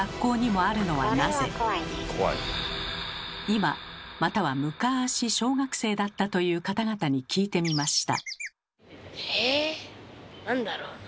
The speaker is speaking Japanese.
今またはむかし小学生だったという方々に聞いてみました。